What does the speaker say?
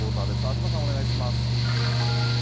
東さん、お願いします。